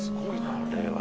これは？